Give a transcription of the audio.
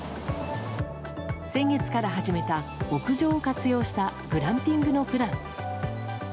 先月から始めた屋上を活用したグランピングのプラン。